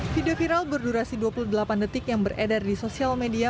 video viral berdurasi dua puluh delapan detik yang beredar di sosial media